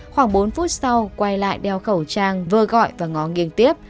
khoảng bốn phút sau quay lại đeo khẩu trang vơ gọi và ngó nghiêng tiếp